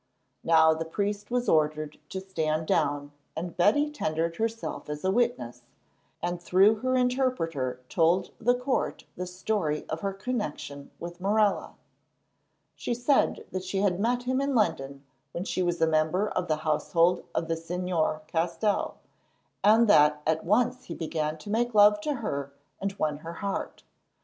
Now the priest was ordered to stand down, and Betty tendered herself as a witness, and through her interpreter told the court the story of her connection with Morella. She said that she had met him in London when she was a member of the household of the Señor Castell, and that at once he began to make love to her and won her heart.